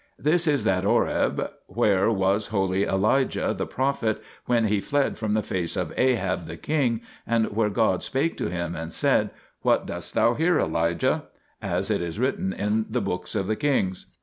This is that Horeb where was holy Elijah the prophet, when he fled from the face of Ahab the king, and where God spake to him and said : What doest thou here> Elijah ? 2 as it is written in the books of the Kings.